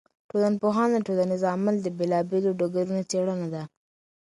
ټولنپوهنه د ټولنیز عمل د بېلا بېلو ډګرونو څېړنه ده.